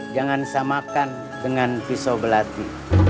jangan samakan dengan pisau belati